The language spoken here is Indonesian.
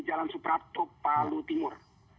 dan suprapto palu timur